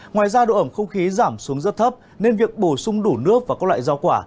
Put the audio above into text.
ngoài ra độ ẩm không khí giảm xuống rất thấp nên việc bổ sung đủ nước và các loại rau quả